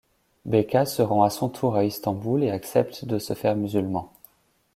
Béka se rend à son tour à Istanbul et accepte de se faire musulman.